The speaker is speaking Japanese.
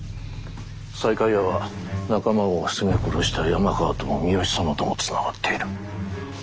西海屋は仲間を責め殺した山川とも三好様ともつながっている。